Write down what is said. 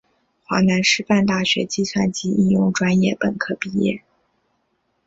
华南师范大学计算机应用专业本科毕业。